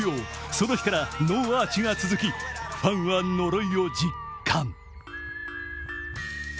その日からノーアーチが続き、ファンは呪いを実感。